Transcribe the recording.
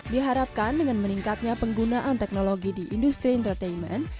diharapkan dengan meningkatnya penggunaan teknologi di industri entertainment